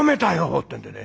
ってんでね